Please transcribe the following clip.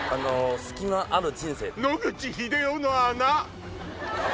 野口英世の穴！